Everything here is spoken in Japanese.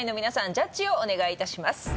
ジャッジをお願いいたします